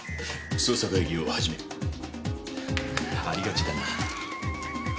ありがちだな。